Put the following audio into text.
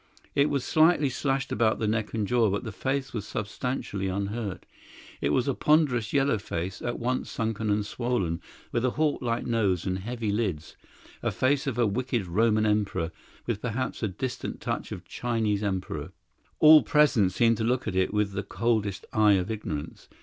It was slightly slashed about the neck and jaw, but the face was substantially unhurt. It was a ponderous, yellow face, at once sunken and swollen, with a hawk like nose and heavy lids a face of a wicked Roman emperor, with, perhaps, a distant touch of a Chinese emperor. All present seemed to look at it with the coldest eye of ignorance.